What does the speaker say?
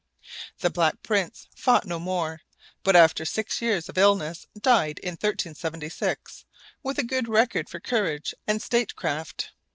The Black Prince fought no more, but after six years of illness died, in 1376, with a good record for courage and statecraft.